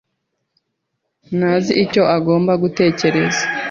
ntazi icyo agomba gutegereza.